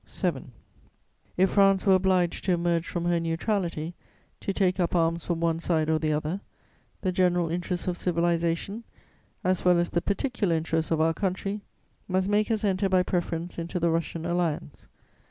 "7. If France were obliged to emerge from her neutrality, to take up arms for one side or the other, the general interests of civilization, as well as the particular interests of our country, must make us enter by preference into the Russian Alliance.